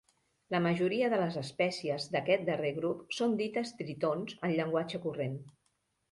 La majoria de les espècies d'aquest darrer grup són dites tritons en llenguatge corrent.